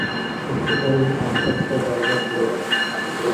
একটু পরেই আস্তে আস্তে দরজা খুলে গেল।